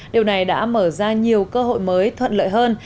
điều này đã mở ra nhiều cơ hội mới thuận lợi hơn